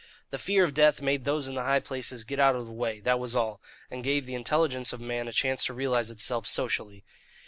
The fear of death made those in the high places get out of the way, that was all, and gave the intelligence of man a chance to realize itself socially.